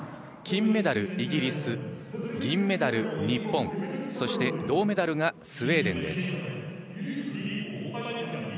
金メダル、イギリス銀メダル、日本銅メダルがスウェーデンです。